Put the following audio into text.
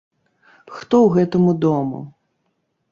Хто ў гэтаму дому!